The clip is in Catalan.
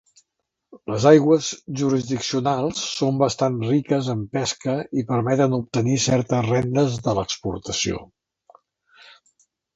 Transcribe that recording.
Les aigües jurisdiccionals són bastant riques en pesca i permeten obtenir certes rendes de l'exportació.